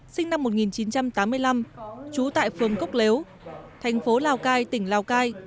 sinh năm một nghìn chín trăm tám mươi năm trú tại phường cốc lếu thành phố lào cai tỉnh lào cai